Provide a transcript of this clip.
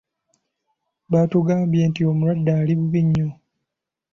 Baatugambye nti omulwadde ali bubi nnyo.